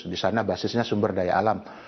di sana basisnya sumber daya alam